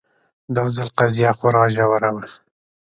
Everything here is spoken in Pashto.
دا ځل قضیه خورا ژوره وه